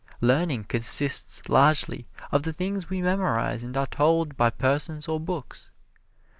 Learning consists largely of the things we memorize and are told by persons or books.